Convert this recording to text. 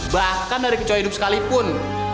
bahkan dari kecaya hidup sekalipun